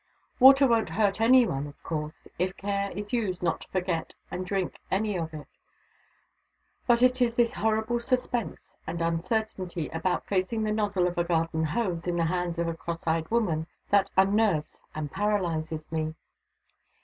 Water won't hurt any one, of course, if care is used not to forget and drink any of it, but it is this horrible suspense and uncertainty about facing the nozzle of a garden hose in the hands of a cross eyed woman that unnerves and paralyzes me.